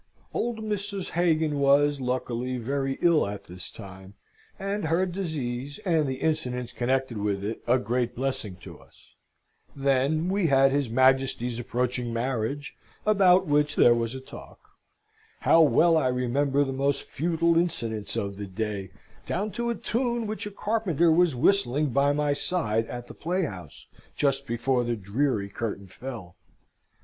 Old Mrs. Hagan was, luckily, very ill at this time; and her disease, and the incidents connected with it, a great blessing to us. Then we had his Majesty's approaching marriage, about which there was a talk. (How well I remember the most futile incidents of the day down to a tune which a carpenter was whistling by my side at the playhouse, just before the dreary curtain fell!)